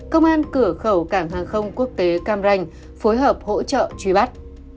công an cửa khẩu cảng hàng không quốc tế cam ranh phối hợp hỗ trợ truy bắt